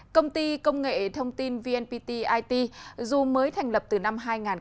công ty công nghệ thông tin vnpt it dù mới thành lập từ năm hai nghìn một mươi